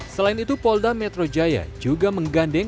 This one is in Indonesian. selain itu polda metro jaya juga menggandeng